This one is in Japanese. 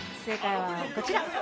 正解はこちら。